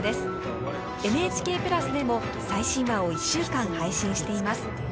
ＮＨＫプラスでも最新話を１週間配信しています。